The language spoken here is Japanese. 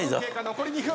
残り２分。